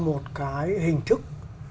một cái hình thức